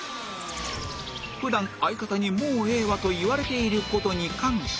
普段相方に「もうええわ」と言われている事に感謝